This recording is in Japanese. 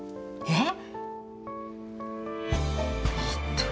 えっ？